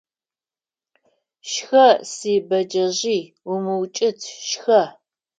Шхэ, си бэджэжъый, умыукӀыт, шхэ!